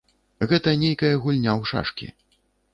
Гэта нейкая гульня ў шашкі.